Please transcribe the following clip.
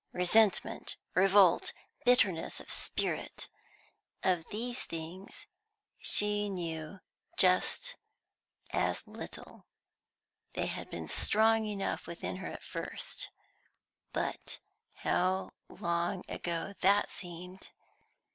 Resentment, revolt, bitterness of spirit, of these things she knew just as little. They had been strong enough within her at first, but how long ago that seemed!